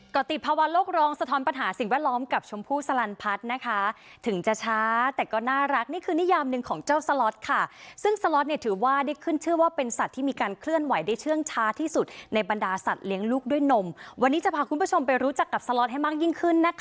ก็ติดภาวะโลกรองสะท้อนปัญหาสิ่งแวดล้อมกับชมพู่สลันพัฒน์นะคะถึงจะช้าแต่ก็น่ารักนี่คือนิยามหนึ่งของเจ้าสล็อตค่ะซึ่งสล็อตเนี่ยถือว่าได้ขึ้นชื่อว่าเป็นสัตว์ที่มีการเคลื่อนไหวได้เชื่องช้าที่สุดในบรรดาสัตว์เลี้ยงลูกด้วยนมวันนี้จะพาคุณผู้ชมไปรู้จักกับสล็อตให้มากยิ่งขึ้นนะคะ